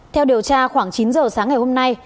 theo điều tra khoảng chín giờ sáng ngày hôm nay